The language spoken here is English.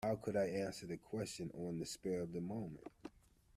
How could I answer the question on the spur of the moment.